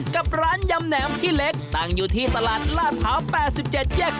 กับร้านยำแหนมพี่เล็กตั้งอยู่ที่ตลาดลาดพร้าว๘๗แยก๔